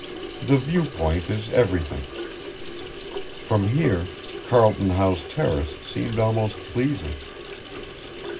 The view point is everything. From here Carlton House Terrace seemed almost pleasing.